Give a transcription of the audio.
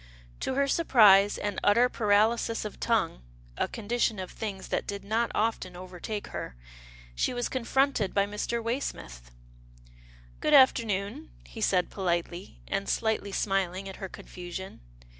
To her surprise, and utter paralysis of tongue — a condition of things that did not often overtake her — she was confronted by Mr. Waysmith. " Good afternoon," he said politely, and slightly smiling at her confusion.